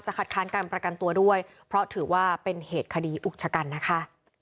คัดค้านการประกันตัวด้วยเพราะถือว่าเป็นเหตุคดีอุกชะกันนะคะ